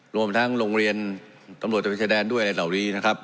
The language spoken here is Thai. รวมทั้งโรงเรียนตำรวจตะเวนชายแดนด้วยอะไรเหล่านี้นะครับ